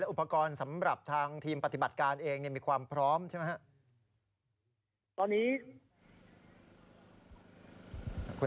อุปกรณ์สำหรับทางทีมปฏิบัติการเองมีความพร้อมใช่ไหมครับ